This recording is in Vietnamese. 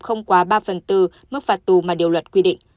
không quá ba phần tư mức phạt tù mà điều luật quy định